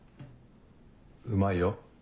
うまいよ。